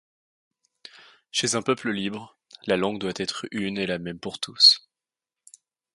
Chez un peuple libre, la langue doit être une et la même pour tous.